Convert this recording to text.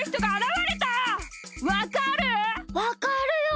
わかるよ！